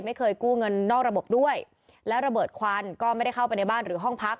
ไม่เคยกู้เงินนอกระบบด้วยแล้วระเบิดควันก็ไม่ได้เข้าไปในบ้านหรือห้องพัก